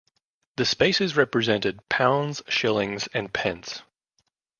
The spaces represented pounds, shillings and pence.